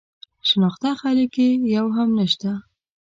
شناخته خلک یې یو هم نه شته.